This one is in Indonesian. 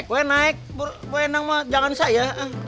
baiklah naik bu endang mau jalan saja